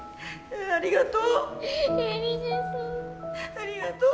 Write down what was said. ありがとう。